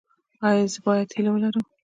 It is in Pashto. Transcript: ایا زه باید هیله ولرم؟